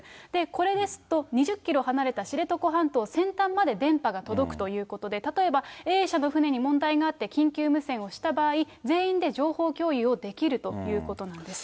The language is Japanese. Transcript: これですと、２０キロ離れた知床半島先端まで電波が届くということで、例えばＡ社の船に問題があって、緊急無線をした場合、全員で情報共有をできるということなんです。